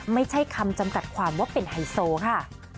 ไม่ใช่คำจำกัดความว่าเป็นไฮโซค่ะ